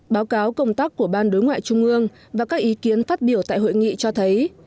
báo cáo công tác của ban đối ngoại trung ương và các ý kiến phát biểu tại hội nghị cho thấy